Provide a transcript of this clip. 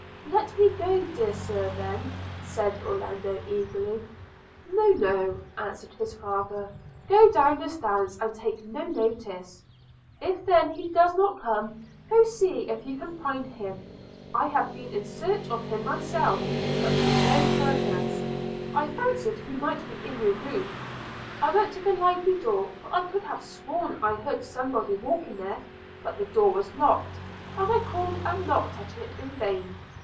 'Let me go, dear Sir, then,' said Orlando eagerly. 'No, no,' answered his father: – 'Go down this dance, and take no notice – if then he does not come, go see if you can find him. I have been in search of him myself, but to no purpose. – I fancied he might be in your room. I went to the library door, for I could have sworn I heard somebody walking there; but the door was locked, and I called and knocked at it in vain.